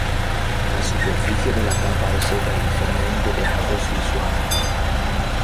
La superficie de la tapa es seca y ligeramente pegajoso y suave.